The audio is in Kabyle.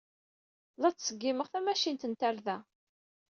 La ttṣeggimeɣ tamacint n tarda.